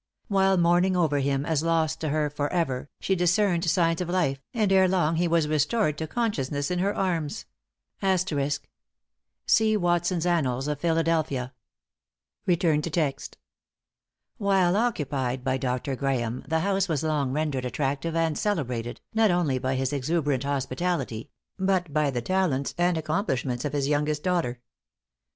While mourning over him as lost to her for ever, she discerned signs of life, and ere long he was restored to consciousness in her arms. See Watson's Annals of Philadelphia. While occupied by Dr. Graeme, the house was long rendered attractive and celebrated, not only by his exuberant hospitality, but by the talents and accomplishments of his youngest daughter.